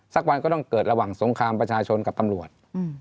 สักวันก็ต้องเกิดระหว่างสงครามประชาชนกับตำรวจ